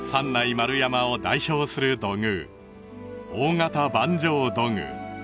丸山を代表する土偶大型板状土偶